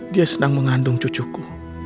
dia sedang mengandung cucuku